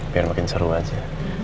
biar makin seru aja